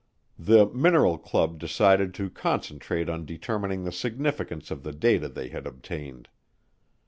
The "mineral club" decided to concentrate on determining the significance of the data they had obtained.